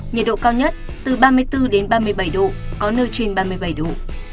nhiệt độ cao nhất từ ba mươi bốn đến ba mươi bảy độ có nơi trên ba mươi bảy độ